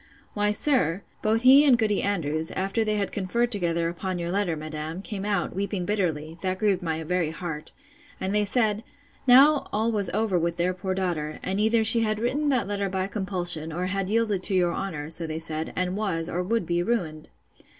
Why, sir, both he and Goody Andrews, after they had conferred together upon your letter, madam, came out, weeping bitterly, that grieved my very heart; and they said, Now all was over with their poor daughter; and either she had written that letter by compulsion, or had yielded to your honour; so they said; and was, or would be ruined!